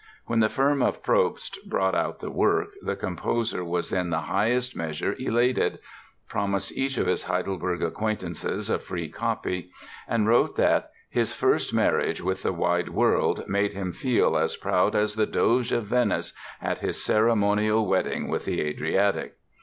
When the firm of Probst brought out the work the composer was in the highest measure elated, promised each of his Heidelberg acquaintances a free copy and wrote that "his first marriage with the wide world" made him feel as proud as the Doge of Venice at his ceremonial wedding with the Adriatic!